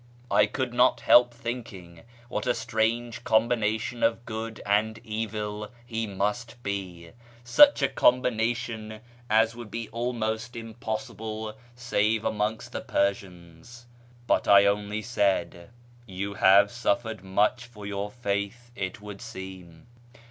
I could not help thinking what a strange combination of good and evil he must be — such a combination as would be almost impossible save amongst the Persians — but I only said :" You have suffered much for your faith, it would seem."